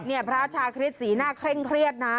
พระชาคริสต์สีหน้าเคร่งเครียดนะ